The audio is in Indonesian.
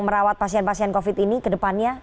merawat pasien pasien covid sembilan belas ini ke depannya